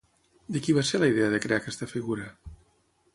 De qui va ser la idea de crear aquesta figura?